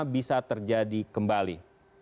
bisa terjadi kembali